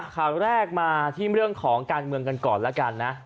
ข่าวแรกมาที่เรื่องของการเมืองกันก่อนแล้วกันนะ